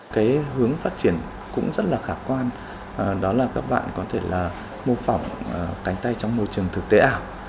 cái hướng phát triển cũng rất là khả quan đó là các bạn có thể là mô phỏng cánh tay trong môi trường thực tế ảo